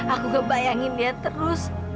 aku ngebayangin dia terus